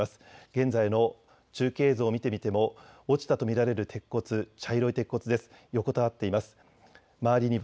現在の中継映像を見てみても落ちたと見られる鉄骨茶色い鉄骨です、横たわっています。